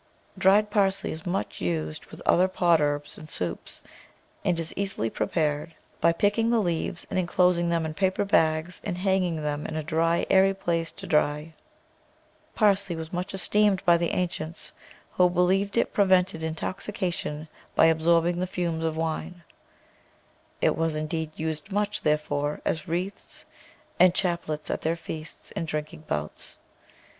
Dried parsley is much used with other pot herbs in soups, and is easily prepared by picking the PERENNIAL VEGETABLES leaves and enclosing them in paper bags and hang ing them in a dry, airy place to dry. Parsley was much esteemed by the ancients, who believed it pre vented intoxication by absorbing the fumes of wine. It was much used, therefore, as wreaths and chap lets at their fep«ts and drinking bouts.